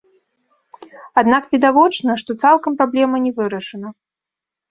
Аднак відавочна, што цалкам праблема не вырашана.